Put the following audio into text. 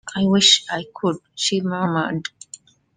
"I wish I could," she murmured.